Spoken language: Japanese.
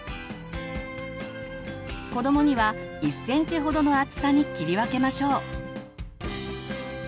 子どもには１センチほどの厚さに切り分けましょう。